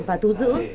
và thu giữ